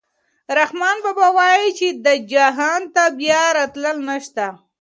رحمان بابا وايي چې دې جهان ته بیا راتلل نشته.